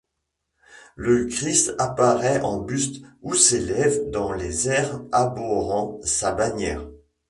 Le Christ apparaît en buste ou s'élève dans les airs arborant sa bannière.